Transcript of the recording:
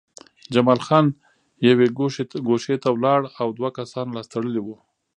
جمال خان یوې ګوښې ته ولاړ و او دوه کسان لاس تړلي وو